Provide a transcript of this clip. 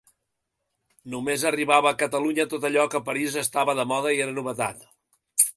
Només arribava a Catalunya tot allò que a París estava de moda i era novetat.